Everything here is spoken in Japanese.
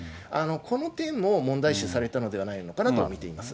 この点も問題視されたのではないのかなと見ています。